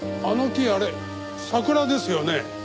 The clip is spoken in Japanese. あの木あれ桜ですよね？